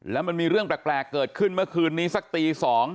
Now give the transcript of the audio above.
แล้วมันมีเรื่องแปลกเกิดขึ้นเมื่อคืนนี้สักตี๒